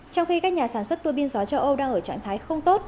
trong khi các nhà sản xuất tuôi biên gió châu âu đang ở trạng thái không tốt